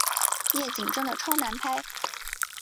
夜景真的超难拍